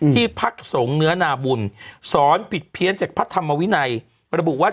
ที่พักสงฆ์เนื้อนาบุญสอนผิดเพี้ยนจากพระธรรมวินัยระบุว่า